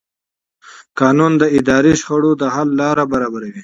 قانون د اداري شخړو د حل لاره برابروي.